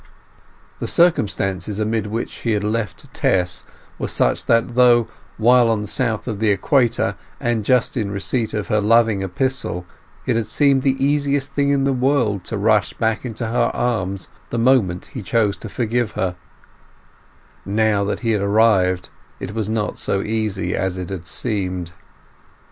The circumstances amid which he had left Tess were such that though, while on the south of the Equator and just in receipt of her loving epistle, it had seemed the easiest thing in the world to rush back into her arms the moment he chose to forgive her, now that he had arrived it was not so easy as it had seemed.